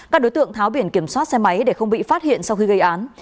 các đối tượng tháo biển kiểm soát xe máy để không bị phát hiện sau khi gây án